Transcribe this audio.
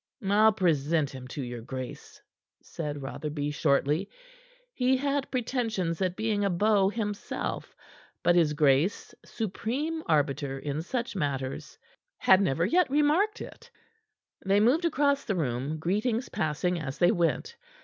"I'll present him to your grace," said Rotherby shortly. He had pretentions at being a beau himself; but his grace supreme arbiter in such matters had never yet remarked it. They moved across the room, greetings passing as they went.